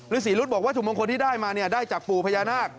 ฤษีรุษบอกว่าถูกมงคลที่ได้มาเนี่ยได้จากปู่พญานาค